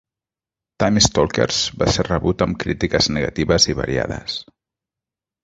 "Time Stalkers" va ser rebut amb crítiques negatives i variades.